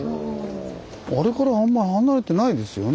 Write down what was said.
あれからあんまり離れてないですよね。